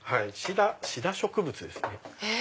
シダ植物ですね。